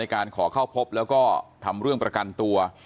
การขอเข้าพบแล้วก็ทำเรื่องประกันตัว